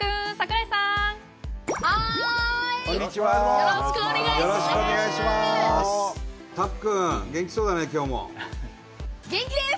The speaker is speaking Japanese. よろしくお願いします！